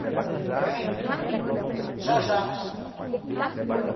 Vem, já, já...